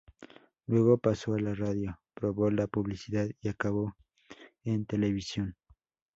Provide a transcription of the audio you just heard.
Luego pasó a la radio, probó la publicidad y acabó en televisión.